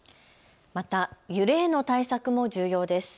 また、揺れへの対策も重要です。